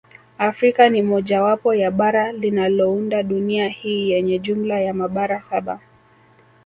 Afrika ni mojawapo ya bara linalounda dunia hii yenye jumla ya mabara saba